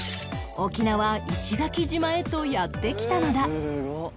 沖縄石垣島へとやって来たのだ